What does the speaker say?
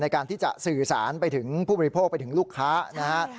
ในการที่จะสื่อสารไปถึงผู้บริโภคไปถึงลูกค้านะฮะ